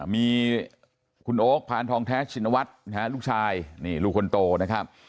มีคุณโอ๊คพานทองแท้ชินวัฒน์นะฮะลูกชายนี่ลูกคนโตนะครับ